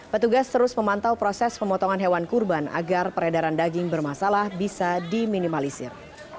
petugas terus memantau proses pemotongan hewan kurban agar peredaran daging bermasalah bisa diminimalisir